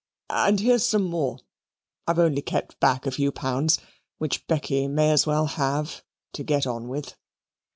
And here's some more I've only kept back a few pounds which Becky may as well have, to get on with."